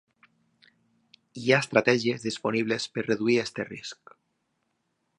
Hi ha estratègies disponibles per reduir aquest risc.